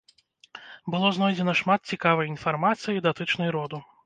Было знойдзена шмат цікавай інфармацыі, датычнай роду.